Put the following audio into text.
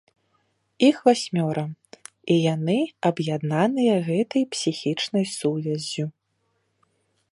Іх васьмёра, і яны аб'яднаныя гэтай псіхічнай сувяззю.